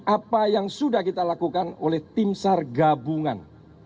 apa yang sudah kita lakukan oleh tim sar gabungan